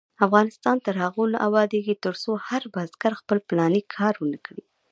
افغانستان تر هغو نه ابادیږي، ترڅو هر بزګر خپل پلاني کار ونکړي.